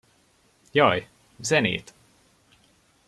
Jaj, zenét!